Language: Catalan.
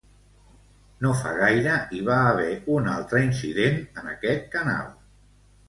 No fa gaire hi va haver un altre incident en aquest canal.